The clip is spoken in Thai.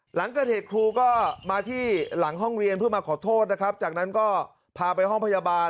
หลังเกิดเหตุครูก็มาที่หลังห้องเรียนเพื่อมาขอโทษนะครับจากนั้นก็พาไปห้องพยาบาล